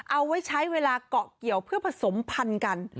เอาไว้ใช้เวลาเกาะเกี่ยวเพื่อผสมพันธุ์กัน